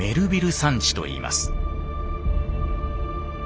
山地といいます。